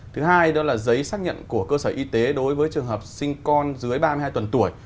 thứ hai đó là giấy xác nhận của cơ sở y tế đối với trường hợp sinh con dưới ba mươi hai tuần tuổi